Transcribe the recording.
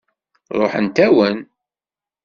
Ṛuḥent-awen.